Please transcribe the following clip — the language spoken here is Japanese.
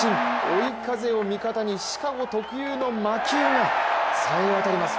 追い風を味方に、シカゴ特有の魔球が冴えわたります。